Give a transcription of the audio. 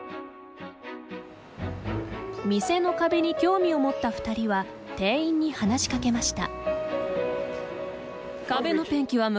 店の壁に興味を持った２人は店員に話しかけました。